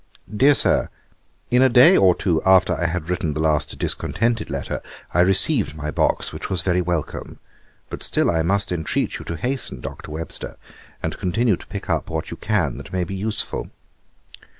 'DEAR SIR, 'In a day or two after I had written the last discontented letter, I received my box, which was very welcome. But still I must entreat you to hasten Dr. Webster, and continue to pick up what you can that may be useful.